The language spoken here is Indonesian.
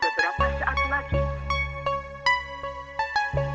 telepon sedang sibuk